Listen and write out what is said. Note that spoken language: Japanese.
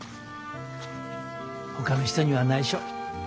ほかの人にはないしょ。